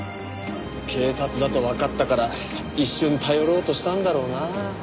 警察だとわかったから一瞬頼ろうとしたんだろうな。